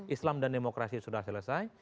islam dan demokrasi sudah selesai